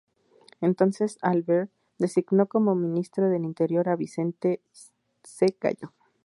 Entonces Alvear, designó como ministro del Interior a Vicente C. Gallo.